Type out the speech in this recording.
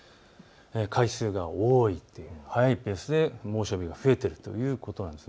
回数が多いというのが速いペースで猛暑日が増えているということなんです。